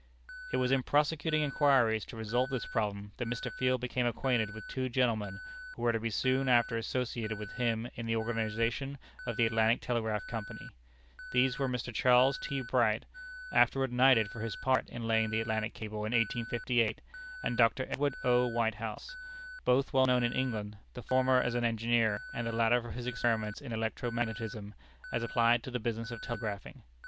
It was in prosecuting inquiries to resolve this problem, that Mr. Field became acquainted with two gentlemen who were to be soon after associated with him in the organization of the Atlantic Telegraph Company. These were Mr. Charles T. Bright, afterward knighted for his part in laying the Atlantic cable in 1858, and Dr. Edward O. Whitehouse, both well known in England, the former as an engineer, and the latter for his experiments in electro magnetism, as applied to the business of telegraphing.